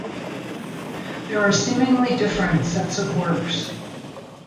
There are seemingly different sets of works.